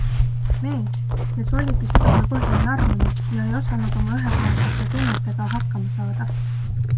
Mees, kes oligi südamepõhjani armunud ja ei osanud oma ühepoolsete tunnetega hakkama saada.